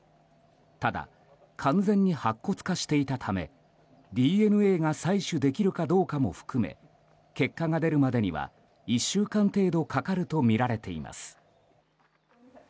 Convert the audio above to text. ただ、完全に白骨化していたためＤＮＡが採取できるかどうかも含め結果が出るまでには１週間程度かかるとみられています。